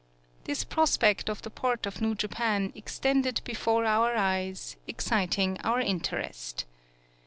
This prospect of the port of New Japan extended before our eyes, exciting our interest.